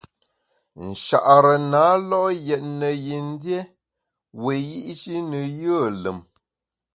Nchare na lo’ yètne yin dié wiyi’shi ne yùe lùm.